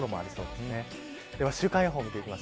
では週間予報です。